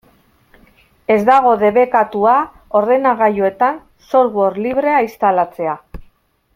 Ez dago debekatua ordenagailuetan software librea instalatzea.